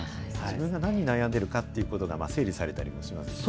自分が何に悩んでるかということが整理されたりもしますしね。